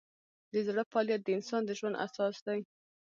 د زړه فعالیت د انسان د ژوند اساس دی.